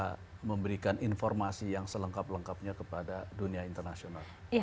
kita memberikan informasi yang selengkap lengkapnya kepada dunia internasional